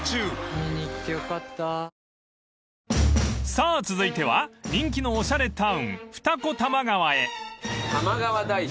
［さあ続いては人気のおしゃれタウン二子玉川へ］